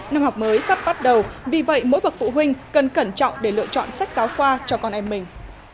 năm học mới sắp bắt đầu vì vậy mỗi bậc phụ huynh cần cẩn trọng để lựa chọn sách giáo khoa cho con em mình